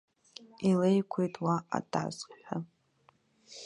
Илеиқәеит уа атазҳәа.